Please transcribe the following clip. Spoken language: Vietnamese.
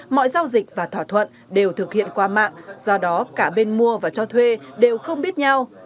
mọi giao dịch và thỏa thuận đều thực hiện qua mạng do đó cả bên mua và cho thuê đều không biết nhau